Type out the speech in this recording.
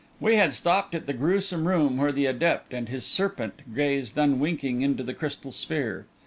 We had stopped at the gruesome room where the adept and his serpent gazed unwinking into the crystal sphere.